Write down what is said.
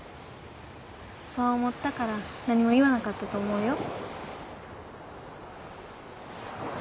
そう思ったから何も言わなかったと思うよ。